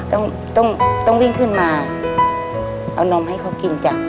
ต้องต้องวิ่งขึ้นมาเอานมให้เขากินจ้ะ